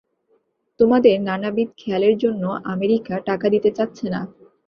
তোমাদের নানাবিধ খেয়ালের জন্য আমেরিকা টাকা দিতে চাচ্ছে না।